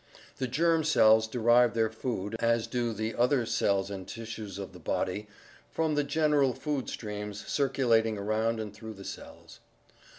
The germ cells derive their food, as do the other cells and tissues of the body, from the general food streams circulating around and through the cells.